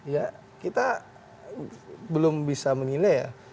ya kita belum bisa menilai ya